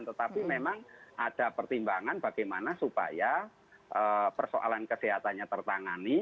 tetapi memang ada pertimbangan bagaimana supaya persoalan kesehatannya tertangani